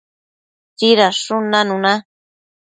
tsidadshun nanuna